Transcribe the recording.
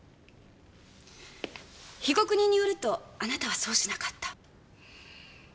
被告人によるとあなたはそうしなかった。